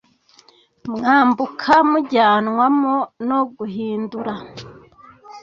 mwambuka mujyanwamo no guhind ra